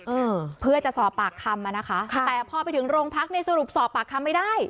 เออเพื่อจะสอบปากคำอ่ะนะคะค่ะแต่พอไปถึงโรงพักเนี้ยสรุปสอบปากคำไม่ได้